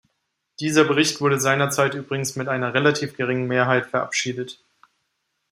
Dieser Bericht wurde seinerzeit übrigens mit einer relativ geringen Mehrheit verabschiedet.